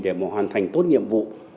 để mà hoàn thành tốt nhiệm vụ